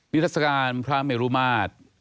ทัศกาลพระเมรุมาตร